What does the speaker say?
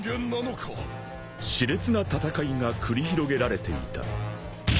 ［熾烈な戦いが繰り広げられていた］